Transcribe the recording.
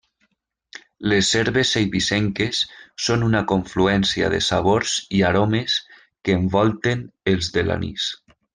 Les Herbes Eivissenques són una confluència de sabors i aromes que envolten els de l'anís.